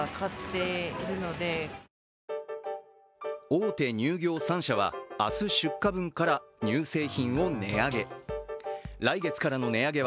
大手乳業３社は、明日出荷分から乳製品を値上げ。